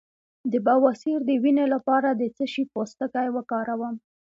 د بواسیر د وینې لپاره د څه شي پوستکی وکاروم؟